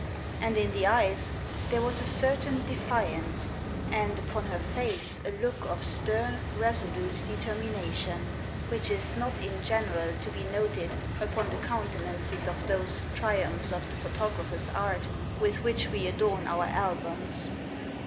And in the eyes there was a certain defiance, and upon her face a look of stern, resolute determination, which is not in general to be noted upon the countenances of those triumphs of the photographer's art with which we adorn our albums.